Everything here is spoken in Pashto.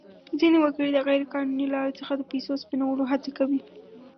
ځینې وګړي د غیر قانوني لارو څخه د پیسو سپینولو هڅه کوي.